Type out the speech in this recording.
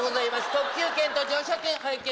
特急券と乗車券拝見